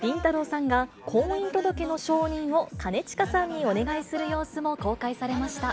さんが婚姻届の証人を、兼近さんにお願いする様子も公開されました。